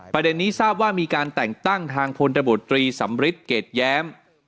ประเด็นนี้ทราบว่ามีการแต่งตั้งทางพลตบตรีสำริทเกรดแย้ม